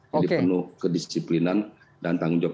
jadi penuh kedisiplinan dan tanggung jawab